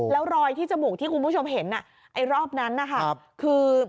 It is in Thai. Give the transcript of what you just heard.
แล้วรอยที่จมูกที่คุณผู้ชมเห็นไอ้รอบนั้นนะคะคือ